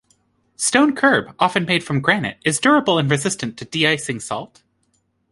Stone curb, often made from granite, is durable and resistant to de-icing salt.